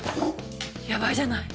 やばいじゃない！